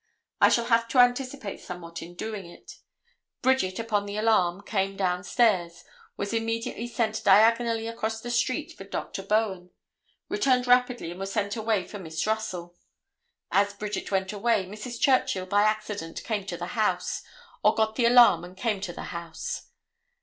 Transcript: I shall have to anticipate somewhat in doing it. Bridget, upon the alarm, came down stairs, was immediately sent diagonally across the street for Dr. Bowen; returned rapidly, and was sent away for Miss Russell. As Bridget went away Mrs. Churchill by accident came to the house, or got the alarm and came to the house.